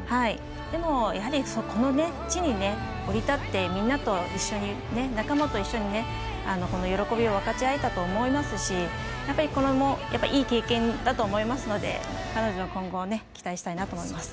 この地に降り立ってみんなと一緒に、仲間と一緒にこの喜びを分かち合えたと思いますしいい経験だと思いますので彼女の今後を期待したいなと思います。